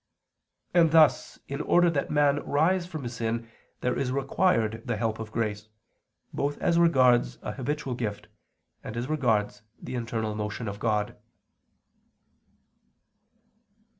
And thus in order that man rise from sin there is required the help of grace, both as regards a habitual gift, and as regards the internal motion of God.